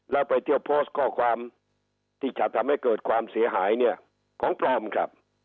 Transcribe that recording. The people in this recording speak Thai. แล้วไปเที่ยวโพสต์ข้อความที่จะทำให้เกิดความเสียหายเนี่ยของปลอมครับ